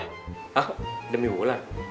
hah demi wulan